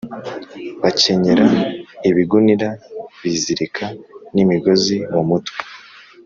Bakenyera ibigunira bizirika n imigozi mu mutwe